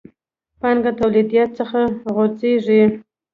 پانګه توليديت څخه غورځېږي.